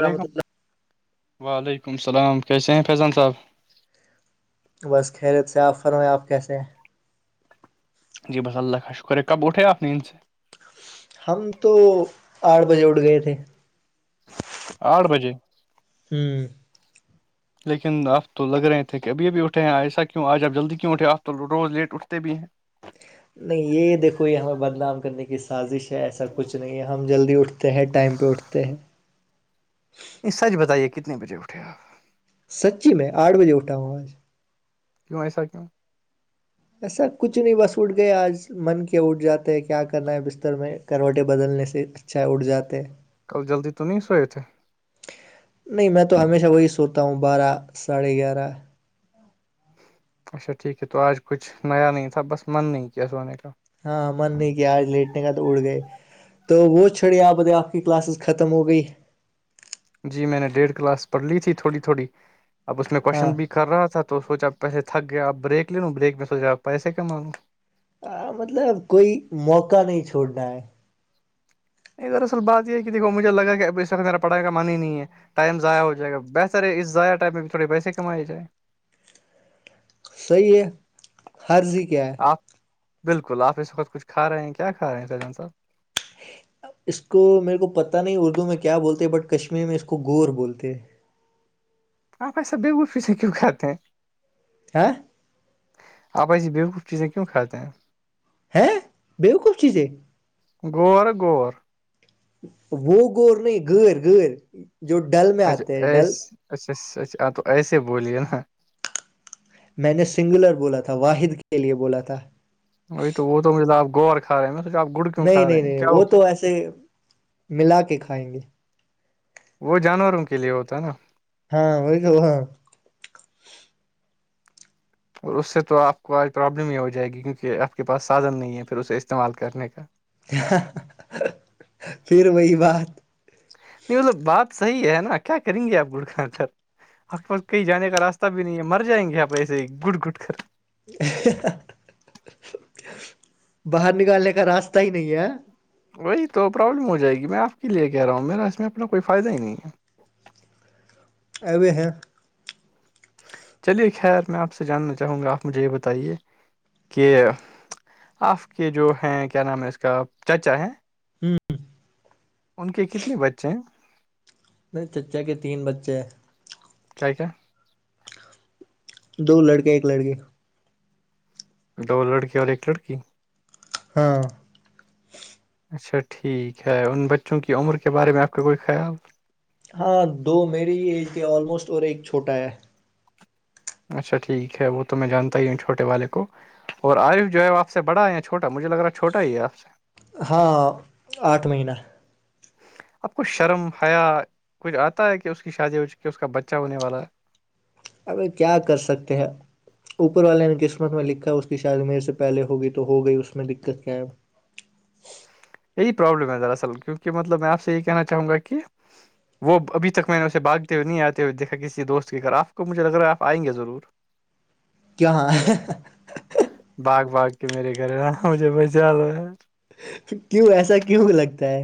رحمۃ اللہ وعلیکم السلام کیسے ہیں فیضان صاحب بس خریت سے آپ فرمیں آپ کیسے ہیں جی بس اللہ کا شکر ہے کب اٹھے آپ نے ان سے ہم تو آٹھ بجے اٹھ گئے تھے آٹھ بجے ہوں لیکن آپ تو لگ رہے تھے کہبھی بھی اٹھے ہیں ایسا کیوں آج آپ جلدی کیوں اٹھے آپ تو روز لیٹھتے بھی ہیں نہیں یہ دیکھو یہ ہمیں بدنام کرنے کی سازش ہے ایسا کچھ نہیں یہ ہم جلدی اٹھتے ہیں ٹائم پہ اٹھتے ہیں نہیں سچ بتائیے کتنے بجے اٹھے آپ سچی میں آٹھ بجے اٹھا ہوں آج کیوں ایسا کیوں ایسا کچھ نہیں بس اٹھ گیا آج من کیا اٹھ جاتا ہے کیا کرنا ہے بستر میں کروٹے بدلنے سے ا چاہ اٹھ جاتے کل جلدی تو نہیں سوئے تھے نہیں میں تو ہمیشہ وہی سوتا ہوں بارہ ساڑھے گیارہ اچھا ٹھیک ہے تو آج کچھ نیا نہیں تھا بس من نہیں کیا سونے کا ہاں من نہیں کیا آج لیٹنے کا تو اڑ گئے تو وہ چھڑے آپتے آپ کی کلاسز ختم ہو گئی جی میں نے ڈیڑھ کلاس پڑھ لی تھی تھوڑی تھوڑی اب اس میں ہاں کوشچن بھی کر رہا تھا تو سوچا آپ پیسے تھ گیا آپ بریک لے لوں بریک میں سوچا آپ پیسے کما لوں ہ مطلب کوئی موقع نہیں چھوڑنا ہے نہیں دراصل بات یہ ہے کہ دیکو مجھے لگا کہ اب اس طر ما پڑھائی کا من ہی نہیں ہے ٹائم ضع ہوائےا بہتر ہے اس ضائع ٹائم میں تھڑ پیسے کمائے جائائے صحیح ہے حرضی کیا ہے آپ بالکل آپ اس وقت کچھ کھا رہے ہیں کیا کھا رہے ہیں فیضان صاحب اس کو میرے کو پتاہ نہیں اردو میں کیا بولتے بٹ کشمیری میں اس کو گور بولتے ہیں آپ ایسا ب بیگو پی سےے کیوں کاتے ہیں ہ [inaudible] آپ آس یہ بیال کلف چیزیں کیوں کھاتے ہیں ہاں بیہ ک چز غور غور وہ گور نہیں گیر گر جو ڈل [unintelligible] اچھا ہیں ڈل ایسے اچھا اچھا ہاں تو ایسے بولیے نا میں نے سنگولر بولا تھا واحد کے لیے بولا تھا وہی تو وہ تو مطلبپ گو اور کھاے میں سوچ آپ گڑ کیوں نہیں کھا رہے نہیں ہیں نہیں کیا وہ تو ایسے ملا کے کھائیں گے وہ جانوروں کے لیے ہوتا ہے نا ہاں وہ کہ ہاں [unintelligible] اور اس سے تو آپ کو آج پرابلم ہی ہو جائے گی کیونکہ آپ کے پاس سادھن نہیں ہے پھر اسے استعمال کرنے کا پھر وہی بات نہیں بولب بات صحیح ہے نا کیا کریں گے آپ گڑ خانچر حقق کہیں جانے کا راستہ بھی نہیں ہے مر جائیں گے آپ ایسے ہی گٹ گٹ کر باہر نکالنے کا راستہ ہی نہیں ہے وہی تو پرابلم ہو جائے گی میں آپ کے لیے کہہ رہا ہوں میرا اس میں اپنا کوئی فائدہ ہی نہیں ہے آبئے ہیں چلیے خیر میں آپ سے جاننا چاہوں گا آپ مجھے یہ بتائیے کہ آپ کے جو ہیں کیا نام ہے اس کا چچا ہیں ہوں [unintelligible] ان کے کتنے بچے ہیں نہیں چچا کے تین بچے ہیں کاائے کا [unintelligible] دو لڑکے ایک لڑکے دو لڑکی اور ایک لڑکی ہاں اچھا ٹھیک ہے ان بچوں کی عمر کے بارے میں آپ کا کوئی خیال ہاں دو میری ایج کے آلموسٹ اور ایک چھوٹا ہے اچھا ٹھیک ہے وہ تو میں جانتا ہی ہوں چھوٹے والے کو اور عارف جو ہے آ سے بڑا یا چھوٹا مجھے لگ رہا ہے چوٹا ہی ہے آپ سے ہاں آٹھ مہینہ اب کچھ شرم حیا کچھ آتا ہے کہ اس کی شادی ہو چکی اس کا بچہ ہونے والا ہے اب کیا کر سکتے ہیں اوپر والے نے قسمت میں لکھا اس کی شاید میرے سے پہلے ہوگی تو ہوگئی اس میں دقت کیا ہے یہی پروابلم ہے دراصل کیونکہ مطلب میں آپ سے یہی کہنا چاہوں گا کہ وہ ابھی تک میں نے اسے باگتے ہوئے نہیں آتے ہوئے دیکھا کسی دوست کے گھر آپ کو مجھے لگ رہا ہے آئیں گے ضرور کیا ہاں باگ باغ کے میرے گھر رہا مجھے بس جیاد کیوں ایسا کیوں لگتا ہے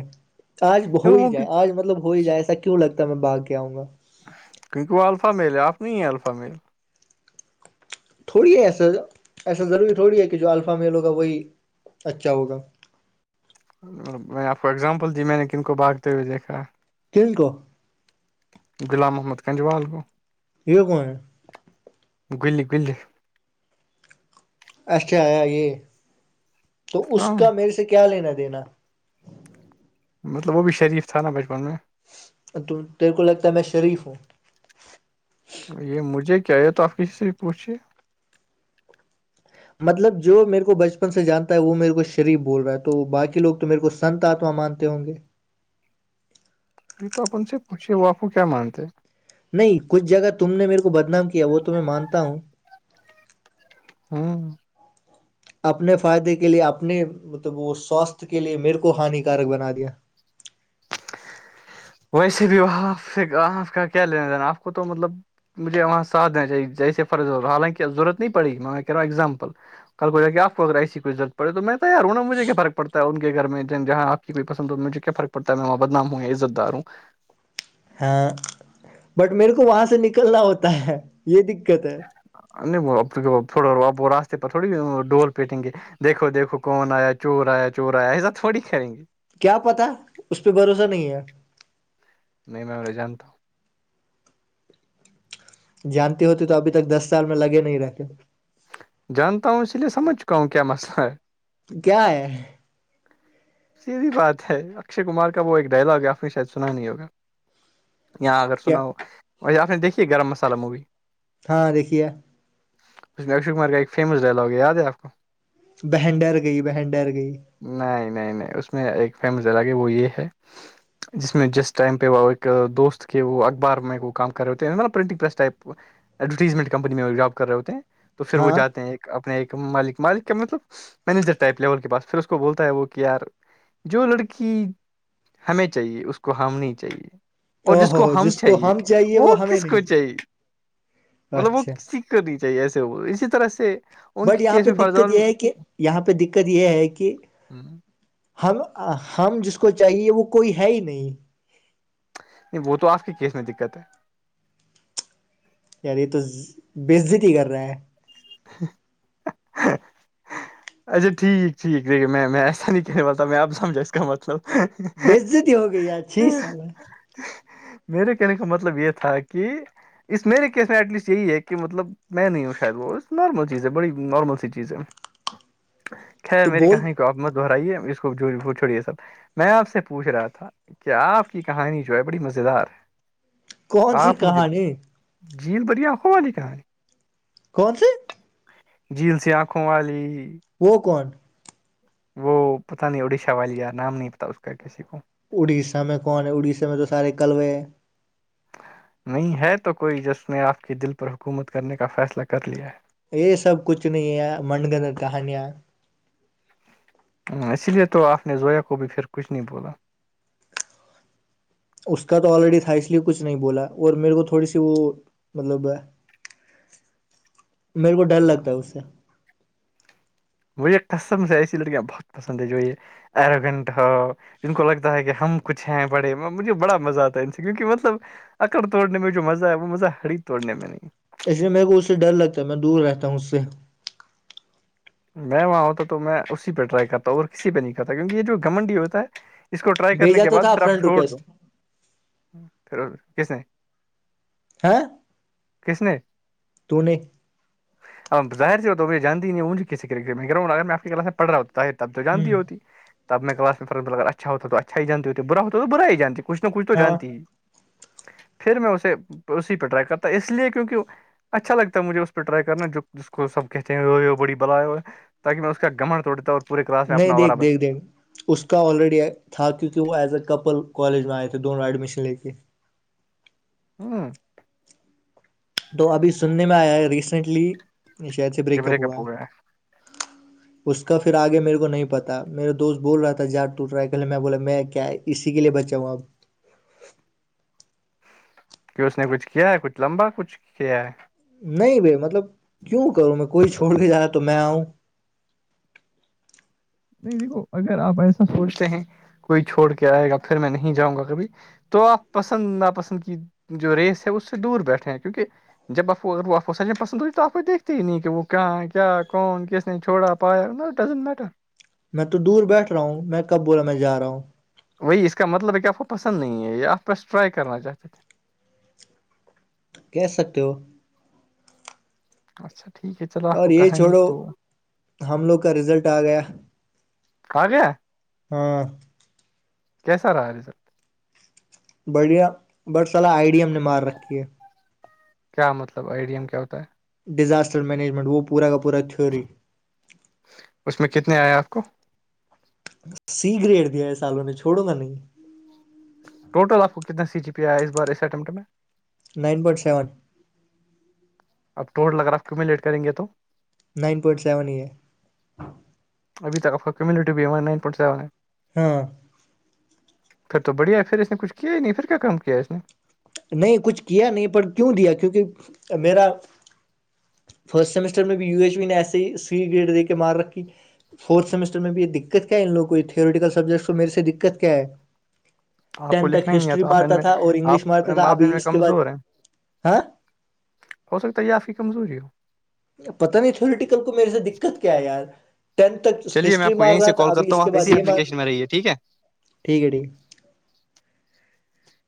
آج ہو تو ہی وہ جائے آج مطلب ہو ہی جائے ایسا کیوں لگتا ہے میں باگ کے آؤں گا کیونکہ وہ الفاامیل ہے آپ نہیں ہیں الفاامیل تھوڑی ہے ایسا ایسا ضروری تھوڑی ہے کہ جو الفاامیل ہوگا وہی اچھا ہوگا میں آپ کو ایگزامپل دی میں نے کن کو باگتے ہوئے دیکھا کن کو غلام محمد کجوال گوو کون ہے گلی گنلی اچھا آیا یہ تو اس ہاں کا میرے سے کیا لینا دینا مطلب وہ بھی شریف تھا نا بچپن میں تیرے کو لگتا ہے میں شرف ہوں یہ مجھے کیا یہ تو آپ کسی سے بھی پوچھھیے مطلب جو میرے کو بچپن سے جانتا ہے وہ میرے کو شریف بول رہا ہے تو باقی لوگ تو میرے کو سنت آتما مانتے ہوں گے یہ تو آپ ان سے پوچے وہ آپ کو کیا مانتے ہیں نہیں کچھ جگہ تم نے میرے کو بدنام کیا وہ تو میں مانتا ہوں ہاں اپنے فائدے کے لیے اپنے مطلب وہ سواستھ کے لیے میرے کو ہانیکارک بنا دیا ویسے بھی وہپ سے آپ کا کیا لینا دینا آپ کو تو مطلب مجھے وہاں ساتھینا چاہیے جیسے حالانہضرورت نہیں پڑےی میں کہہا ہوں ایگزامپل کل کو جا کے آپ کو اگر ایسی کوئیضرت پڑ تو میں تو ی ہوں مھے کیار پڑتا ہے انن گھر میں جہاں پسند ہے مجھے کیا فرق پتا ہے میں وہاں بدام ہوں عزت دار ہوں ہاں بٹ میرے کو وہاں سے نکلنا ہوتا ہے یہ دقت ہے نہیں وہ تھوڑا ا راستے پر تھوڑی ڈور پیٹیں گے دیکھو دیکھو کون آیا چور آیا چور آیا ای سب تھوڑی کریں گے کیا پتاہ ہے اس پہ بھروسہ نہیں ہے نہیں میم ر جان تو جانتی ہوتی تو ابھی تک دس سال میں لگے نہیں رہتے جانتا ہوں اسی لیے سمجھ چکا ہوں کیا مسئلہ ہے کیا ہے سیدھی بات ہے اکشے کمار کا وہ ایک ڈائلگ ہے آپ نے شاید سنا نہیں ہوگا یہاں اگر کیا سنا ہو آپ نے دیکھی ہے گرم مسالہ مووی ہاں دیکھیے اس میں اشو کمار کا ایک فیمس ڈائلاگ د ہے آپ کو بہنڈر گئی بہنڈر گئی نہیں نہیں نہیں اس میں ایک فیمز الگ وہ یہ ہے جس میں جس ٹائم پہ وہ ایک دوست کے وہ اخبار میں وہ کام کر رہے ہوتے ہیںب printing press type advertisement company میں جاب کر رہے ہوتے ہیں تو پھر وہ ہاں جاتے ہیں ایک اپنے ایک مالک مالک کا مطلب مینیجر ٹائپ لیول کے پاس پھر اس کو بولتا ہے وہ کہ یار جو لڑکی ہمیں چاہیے اس کو ہم نہیں چاہیے اور او جس ہو کو ہو ہم کو چاہیے وہ ہمیں کس نہیں کو چاہیے مطلب وہ اچھا کسی کرنی چاہیے ایسے وہ اسی طرح سے ان بٹ کے یہاں کیس پہ میں فرض دقت یہ ہے کہ یہاں پہ دقت یہ ہے کہ نہیں ہم ہم جس کو چاہیے وہ کوئی ہے ہی نہیں نہیں وہ تو آپ کی کیس میں دقت ہے یار تو بزت ہی کر رہا ہے [unintelligible] اچھا ٹھیکٹھیکھے میں ایسا نہیں کہنے پتا میں آپ سمجھا اس کا مطلب بززتی ہو گئی ہے چھی سال میں میرے کہنے کا مطلب یہ تھا کہ اس میرے کیس میں ایٹ لیسٹ یہی ہے کہ مطلب میں نہیں ہوں شاید وہ نارمل چیز ہے بڑی نارمل سی چیز ہے [inaudible] خیر میری بول کہیں کو آپ مت دہرائیے اس کو جڑ چھوڑیے سب میں آپ سے پوچھ رہا تھا کیا آپ کی کہانی جو ہے بڑی مز دار کون سی آپ مجھے کہانی جھیل بڑھیا ہوا نہیںی کہ کون س جلسی آنکھوں والی پوکون وہ پتہ نہیں اڑیسہ والی یار نام نہیں پتا اس کا کسی کو اڑیسہ میں کون ہے اڑیسہ میں تو سارے کلوے ہیں نہیں ہے تو کوئی جس نے آپ کے دل پر حکومت کرنے کا فیصلہ کر لیا ہے یہ سب کچھ نہیں ہے منگن کہانیاں ہ اسی لیے تو آپ نے زویا کو بھی پھر کچھ نہیں بولا اس کا تو آلریڈی تھا اس لیے کچھ نہیں بولا اور میرے کو تھوڑی سی وہ مطلب میرے کو ڈر لگتا ہے اس سے مجھے قسم سے ایسی لڑکیاں بہت پسند ہے جو یہ اروگنٹ ہو ان کو لگتا ہے کہ ہم کچھ ہیں بڑے مجھے بڑا مزہ آتا ہے ان سے کیونکہ مطلب اکڑ توڑنے میں جو مزہ ہے وہ مزہ ہڑی توڑنے میں نہیں اس لیے میرے کو اس سے ڈر لگتا ہے میں دور رہتا ہوں اس سے میں وہاں ہوتا تو میں اسی پہ ٹرائی کرتاوں اور کسی پہ نہیں کرتا کیونکہ یہ جو گھنڈی ہوتا ہے اس کو ٹرائی کرنے بھیجا کے تو بعد تھا پھر آپ فرینڈ چھوڑ دو ریکویسٹ پھر کس نے ہاں [unintelligible] [unintelligible] اب ظری ہو تو جانتی نہیںجھ کیس کرٹ گاؤنڈ اگر میں آپ کی کلاس میں پڑ رہا ہوں تو تب تو جانتی ہ ہوتی تب میں کلاس میں فر اچھا ہوتا تو اچھا ہی جاتتی برا ہوتا تو برا ہی جانتی کچھ نہ کچھ تو ہاں جانتی ہی پھر میں اسے اسی پہ ٹرائی کرتا اس لیے کیونکہ اچھا لگتا ہے مھے اس پہ ٹرائی کرنا جو جس کو سب کہتے ہیں بڑی [unintelligible] [unintelligible] نہیں اپنا اورا دیکھ بن دیکھ دیکھ اس کا آلریڈی تھا کیونکہ وہ ایز اے کپل کالج میں آئے تھے دونوں ایڈمیشن لے کے ہاں تو ابھی سننے میں آیا ہے ریسینٹلی شہید سے بریک اپ ہوا ہے اس کا پھر آگے میرے کو نہیں پتاہ میرے دوست بول رہا تھا جاار ٹوٹ رہا ہے کہہلے میں بولا میں کیا ہے [unintelligible] اسی کے لیے بچاؤں آب [unintelligible] کہ اس نے کچھ کیا ہے کچھ لمبا کچھ کیا ہے نہیں ب مطلب کیوں کروں میں کوئی چھوڑ کے جا تو میں آؤں [unintelligible] نہیں دیکھو اگر آپ ایسا سوچتے ہیں کوئی چھوڑ کے آئے گا پھر میں نہیں جاؤں گا کبھی تو آپ پسند ناپسند کی جو ریس ہے اس سے دور بیٹھے ہیں کیونکہ جب اف وہ افو س میں پسند ہوتی تو افو دیکھتی ہی نہیں کہ وہ کہاں کیا کون کس نے چھوڑا [unintelligible] میں تو دور بیٹھ رہا ہوں میں کب بولا میں جا رہا ہوں بھائی اس کا مطلب ہے کہ اپ کو پسند نہیں ہے کرنا چاہتے تھے کہہ سکتے ہو اچھا ٹھیک ہے چل اور یہ چھوڑو ہم لوگ کا رزلٹ آ گیا [unintelligible] ہاں کیسا رہا ریزرٹ بڑھیا بٹ سلاح آئیڈی ہم نے مار رکھی ہے کیا مطلب آئیڈیم کیا ہوتا ہے ڈیزاسٹر مینجمنٹ وہ پورا کا پورا تھیوری اس میں کتنے آئے آپ کو سی گریڈ دیا ہے سالوں نے چھوڑوں گا نہیں ٹوٹ آپ کو کتنا سی جی پی آ ہے اس بار اس اٹیمپٹ میں نائن پوائنٹ سیون اب ٹوٹ لگ رہا آ کیوں میں لیٹ کریں گے تو نائن پوائنٹ سیون یہ ہے ابھیک کمیونٹی بھی نائن پونٹ سیون ہے ہاں پھر تو بڑھیا ہے پھر اس نے کچھ کیا ہی نہیں پھر کیا کام کیا ہے اس نے نہیں کچھ کیا نہیں پر کیوں دیا کیونکہ میرا فرسٹ سمسٹر میں بھی یو ایچ وی نے ایسے ہی سوی گریڈ دے کے مار رکھی فورت سمسٹر میں بھی یہ دقت کیا ہے ان لگ کو تھھیٹیکل سبجیکٹس کو میرے دقت کیا ہے آپ کو ٹین تک لکھنا ہی نہیں ہسٹری آتا آپ ان مارتا میں تھا اور انگلش آپ مارتا تھا آپ ان ابھی میں اس کے بعد کمزور ہیں ہاں ہو سکتا ہے آپ کی کمزوری ہو پت نہیں تھوریٹییکل کو میرے سے دقت کیا ہے یار ٹینتھ تک چلیے میں آپ ہسٹری کو مار یہیں رہا سے تھا کال ابھی کرتا اس ہوں کے آپ بعد اسی یہ مار اپلیکیشن میں رہیے ٹھیک ہے ٹھیک ہے ٹھیک